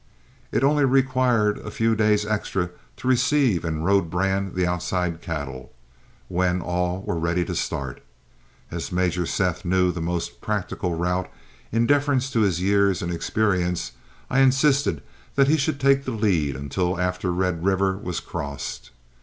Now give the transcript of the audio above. It only required a few days extra to receive and road brand the outside cattle, when all were ready to start. As Major Seth knew the most practical route, in deference to his years and experience I insisted that he should take the lead until after Red River was crossed.